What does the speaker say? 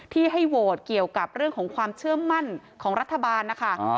ที่ให้โหวตเกี่ยวกับเรื่องของความเชื่อมั่นของรัฐบาลนะคะ